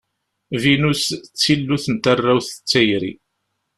Vinus d tillut n tarrawt d tayri.